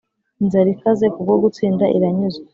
inzara ikaze kubwo gutsinda iranyuzwe,